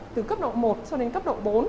từ cấp độ một cho đến cấp độ bốn